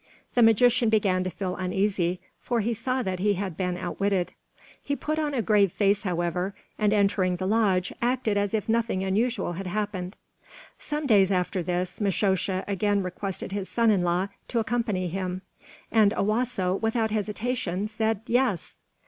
The magician began to feel uneasy, for he saw that he had been outwitted. He put on a grave face, however, and entering the lodge, acted as if nothing unusual had happened. Some days after this, Mishosha again requested his son in law to accompany him; and Owasso, without hesitation, said "Yes!"